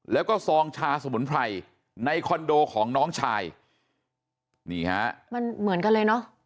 แล้วก็ซองชาสมุนไพรในคอนโดของน้องชายนี่ฮะมันเหมือนกันเลยเนอะ